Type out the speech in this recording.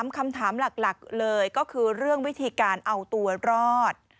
คำถามหลักเลยก็คือเรื่องวิธีการเอาตัวรอด